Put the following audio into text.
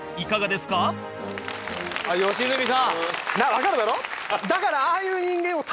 わかるだろ？